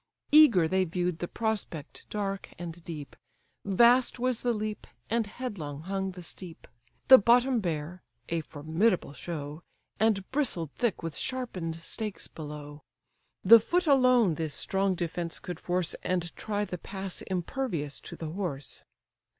Eager they view'd the prospect dark and deep, Vast was the leap, and headlong hung the steep; The bottom bare, (a formidable show!) And bristled thick with sharpen'd stakes below. The foot alone this strong defence could force, And try the pass impervious to the horse.